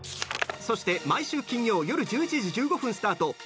そして、毎週金曜夜１１時１５分スタート